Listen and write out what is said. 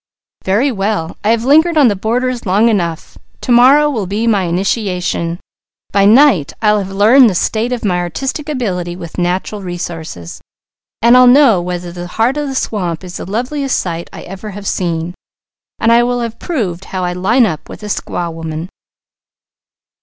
"Very well! I have lingered on the borders long enough. To morrow will be my initiation. By night I'll have learned the state of my artistic ability with natural resources, and I'll know whether the heart of the swamp is the loveliest sight I ever have seen, and I will have proved how I 'line up' with a squaw woman."